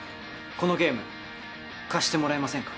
このゲーム貸してもらえませんか？